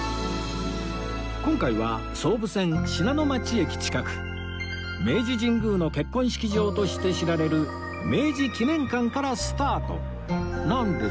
今回は総武線信濃町駅近く明治神宮の結婚式場として知られる明治記念館からスタートなんですが